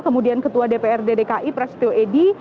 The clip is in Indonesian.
kemudian ketua dprd dki prasetyo edy